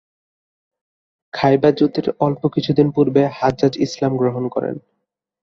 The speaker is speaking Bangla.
খাইবার যুদ্ধের অল্প কিছুদিন পূর্বে হাজ্জাজ ইসলাম গ্রহণ করেন।